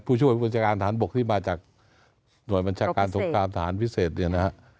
ผู้ช่วยบัญชาการสงครามทหารบกที่มาจากหน่วยบัญชาการสงครามทหารพิเศษเนี่ยนะฮะ